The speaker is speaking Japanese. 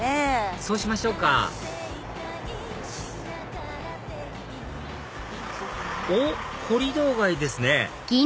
そうしましょうかおっコリドー街ですね